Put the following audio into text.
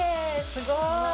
すごい。